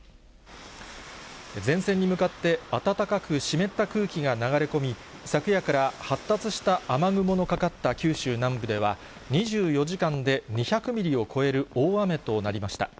前線に向かって暖かく湿った空気が流れ込み、昨夜から発達した雨雲のかかった九州南部では、２４時間で２００ミリを超える大雨となりました。